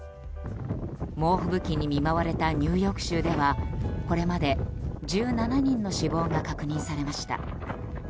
猛吹雪に見舞われたニューヨーク州ではこれまで１７人の死亡が確認されました。